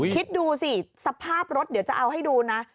คิดดูสิสภาพรถเดี๋ยวจะเอาให้ดูนะ